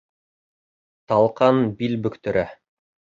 Талҡан бил бөктөрә.